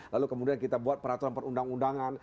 lalu kemudian kita buat peraturan perundang undangan